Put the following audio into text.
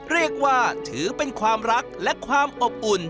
เรียกว่าถือเป็นความรักและความอบอุ่น